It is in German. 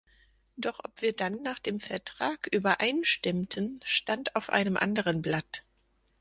Doch ob wir dann nach dem Vertrag übereinstimmten, stand auf einem anderen Blatt.